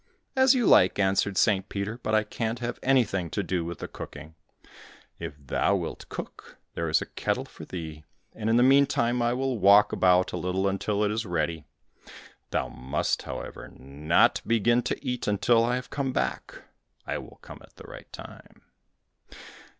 "As you like," answered St. Peter, "but I can't have anything to do with the cooking; if thou wilt cook, there is a kettle for thee, and in the meantime I will walk about a little until it is ready. Thou must, however, not begin to eat until I have come back, I will come at the right time."